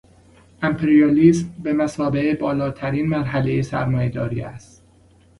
امپریالیسم بمثابهٔ بالاترین مرحلهٔ سرمایه داری است.